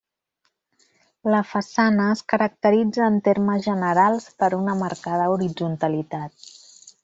La façana es caracteritza en termes generals per una marcada horitzontalitat.